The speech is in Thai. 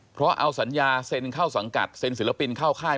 เพราะเอาสัญญาเซ็นเข้าสังกัดเซ็นศิลปินเข้าค่าย